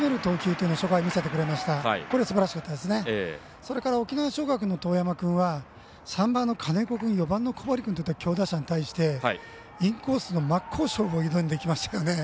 それから沖縄尚学の當山君は３番の金子君４番の小針君という強打者に対してインコースの真っ向勝負を挑んできましたね。